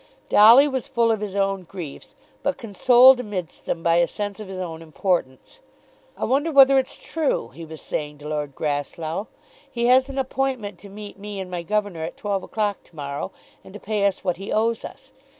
Dolly was full of his own griefs; but consoled amidst them by a sense of his own importance. "I wonder whether it's true," he was saying to Lord Grasslough. "He has an appointment to meet me and my governor at twelve o'clock to morrow, and to pay us what he owes us.